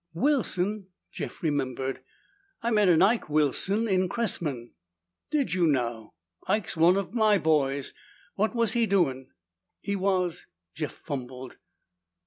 "Wilson?" Jeff remembered. "I met an Ike Wilson in Cressman." "Did you now? Ike's one of my boys. What was he doin'?" "He was " Jeff fumbled.